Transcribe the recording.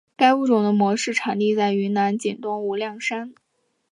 该物种的模式产地在云南景东无量山。